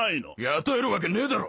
雇えるわけねえだろ！